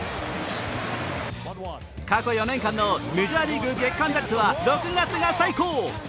過去４年間のメジャーリーグ月間打率は６月が最高。